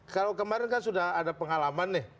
kalau kemarin kan sudah ada pengalaman nih